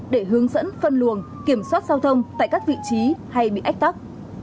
để hướng dẫn phân luồng kiểm soát giao thông tại các vị trí hay bị ách tắc